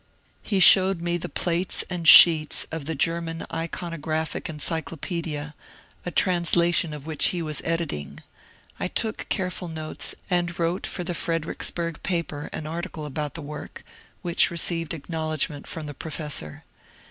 He showed me the plates THE RICHMOND EXAMINER 73 and sheets of the German ^' loonographic Encyclopedia,'* a translation of which he was editing. I took careful notes, and wrote for the Fredericksburg paper an article about the work, which received acknowledgment from the professor.